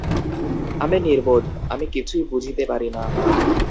আমি নির্বোধ, আমি কিছুই বুঝিতে পারি না।